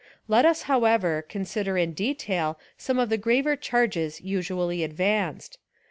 Let us, however, consider in detail some of the graver charges usually advanced.